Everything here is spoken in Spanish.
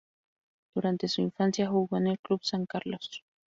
Durante su infancia jugó en el Club San Carlos.